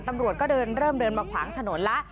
ตำรวจก็เดินเริ่มเดินมาขวางถนนแล้ว